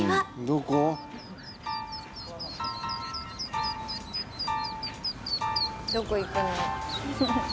どこ行くの？